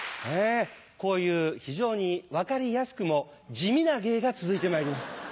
こういう非常に分かりやすくも地味な芸が続いてまいります。